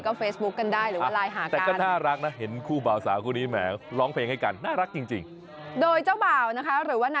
ก็มันความรักนั่นแหละที่สองคนเขามีให้กัน